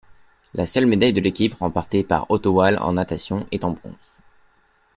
La seule médaille de l'équipe, remportée par Otto Wahle en natation, est en bronze.